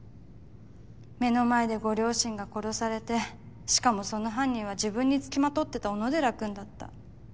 目の前でご両親が殺されてしかもその犯人は自分に付きまとってた小野寺君だった。